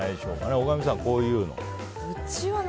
大神さん、こういうのは？